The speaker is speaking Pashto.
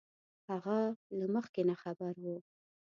هغه له مخکې نه خبر وو